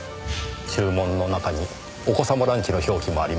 注文の中にお子様ランチの表記もありました。